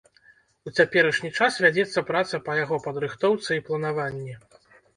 У цяперашні час вядзецца праца па яго падрыхтоўцы і планаванні.